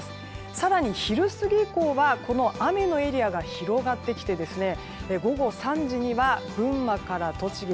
更に昼過ぎ以降はこの雨のエリアが広がってきて午後３時には、群馬から栃木